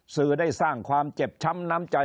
สื่อได้สร้างความเจ็บช้ำน้ำใจ